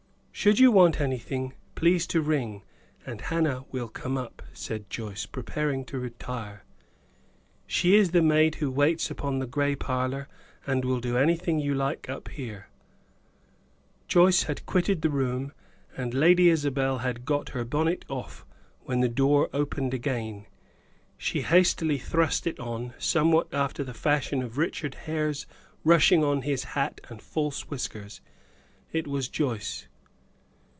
"Should you want anything, please to ring, and Hannah will come up," said Joyce, preparing to retire. "She is the maid who waits upon the gray parlor, and will do anything you like up here." Joyce had quitted the room, and Lady Isabel had got her bonnet off, when the door opened again. She hastily thrust it on, somewhat after the fashion of Richard Hare's rushing on his hat and false whiskers. It was Joyce.